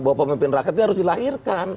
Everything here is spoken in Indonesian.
bahwa pemimpin rakyat itu harus dilahirkan